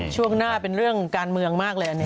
ช่วงหน้าเป็นเรื่องการเมืองมากเลยอันนี้